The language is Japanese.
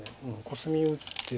コスミを打って。